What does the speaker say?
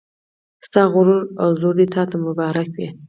ستا غرور او زور دې تا ته مبارک وي